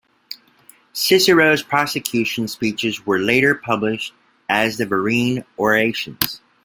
Cicero's prosecution speeches were later published as the "Verrine Orations".